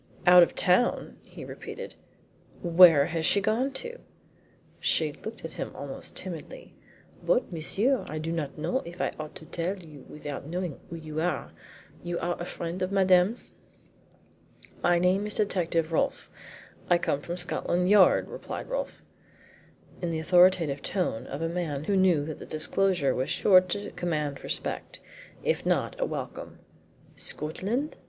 "Out of town!" he repeated. "Where has she gone to?" She looked at him almost timidly. "But, monsieur, I do not know if I ought to tell you without knowing who you are. Are you a friend of Madame's?" "My name is Detective Rolfe I come from Scotland Yard," replied Rolfe, in the authoritative tone of a man who knew that the disclosure was sure to command respect, if not a welcome. "Scotland?